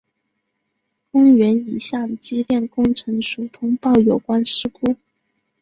公园已向机电工程署通报有关事故。